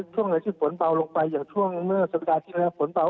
ช่วงไหนที่ฝนเบาลงไปอย่างเมื่อสัปดาห์ที่แรก